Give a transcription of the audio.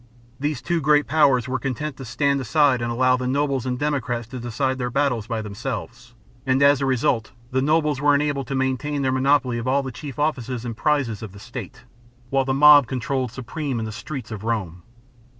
These two great powers were content to stand aside and allow the nobles and democrats to decide their battles by themselves, and, as a result, the nobles were enabled to maintain their monopoly of all the chief offices and prizes of the state, while the mob continued supreme in the streets of Rome.